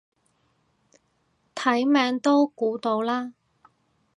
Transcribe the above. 睇名都估到啦